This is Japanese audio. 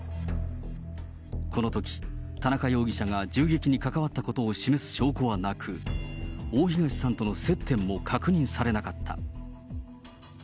このとき、田中容疑者が銃撃に関わったことを示す証拠はなく、大東さんとの接点も確認されなかった。